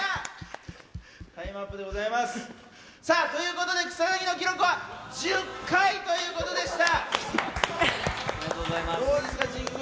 タイムアップです。ということで草薙の記録は１０回ということでした。